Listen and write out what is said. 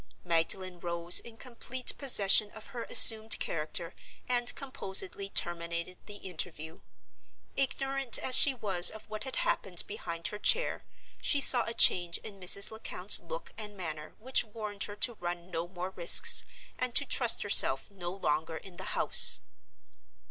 Magdalen rose in complete possession of her assumed character and composedly terminated the interview. Ignorant as she was of what had happened behind her chair, she saw a change in Mrs. Lecount's look and manner which warned her to run no more risks, and to trust herself no longer in the house.